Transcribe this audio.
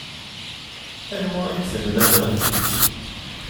Anwa i d-temlaleḍ?